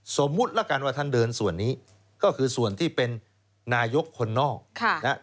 สมมุติแล้วกันว่าท่านเดินส่วนนี้ก็คือส่วนที่เป็นนายกคนนอก